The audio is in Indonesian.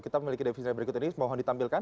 kita memiliki defisitnya berikut ini mohon ditampilkan